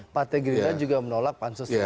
partai gerindra juga menolak pansus